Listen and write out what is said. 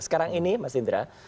sekarang ini mas indra